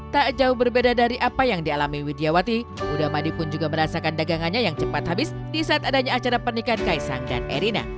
tak jauh berbeda dari apa yang dialami widjawati udamadi pun juga merasakan dagangannya yang cepat habis di saat adanya acara pernikahan kaisang dan erina